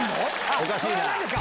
おかしいな。